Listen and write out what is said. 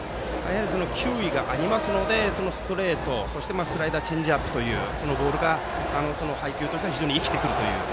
球威がありますのでストレート、そしてスライダーチェンジアップというボールが配球としては非常に生きてくる。